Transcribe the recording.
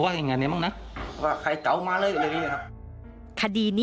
อันนี้เลยครับ